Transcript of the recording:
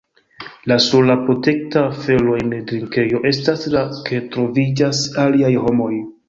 La sola protekta afero en drinkejo estas ke troviĝas aliaj homoj.